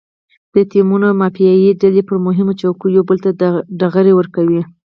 د ټیمونو مافیایي ډلې پر مهمو چوکیو یو بل ته ډغرې ورکوي.